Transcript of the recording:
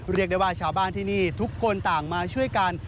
เรียกได้ว่าชาวบ้านที่นี่ทุกคนต่างมาช่วยกัน